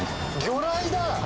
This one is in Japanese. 魚雷だ！